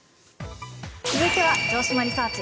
続いては城島リサーチ！